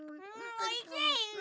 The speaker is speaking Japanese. おいしい！